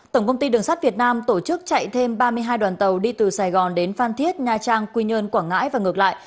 tổng công ty đường sắt việt nam tổ chức chạy thêm ba mươi hai đoàn tàu đi từ sài gòn đến phan thiết nha trang quy nhơn quảng ngãi và ngược lại